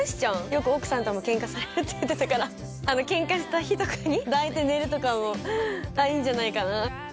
よく奥さんともケンカされるって言ってたからケンカした日とかに抱いて寝るとかもいいんじゃないかな。